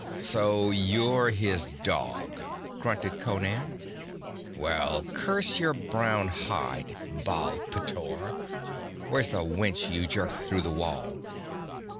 'So you're his dog!' grunted Conan. 'Well, curse your brown hide, Baal pteor, where's the wench you jerked through the wall?'